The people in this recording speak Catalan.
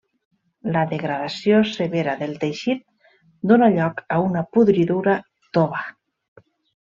La degradació severa del teixit dóna lloc a una podridura tova.